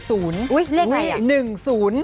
อุ๊ยเลขอะไรอ่ะ